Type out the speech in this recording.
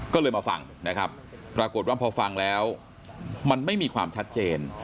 ก็เลยมาฟังนะครับปรากฏว่าพอฟังแล้วมันไม่มีความชัดเจน